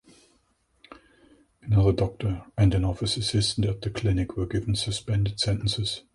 Another doctor and an office assistant at the clinic were given suspended sentences.